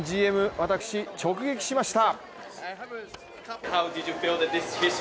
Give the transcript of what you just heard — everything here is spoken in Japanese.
私、直撃しました！